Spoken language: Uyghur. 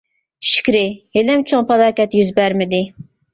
شۈكرى، ھېلىمۇ چوڭ پالاكەت يۈز بەرمىدى!